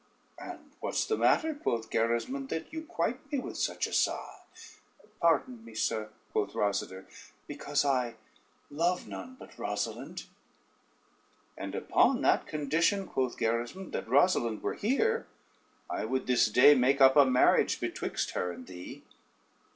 "And what's the matter," quoth Gerismond, "that you quite me with such a sigh?" "Pardon me, sir," quoth Rosader, "because I love none but Rosalynde." "And upon that condition," quoth Gerismond, "that Rosalynde were here, I would this day make up a marriage betwixt her and thee."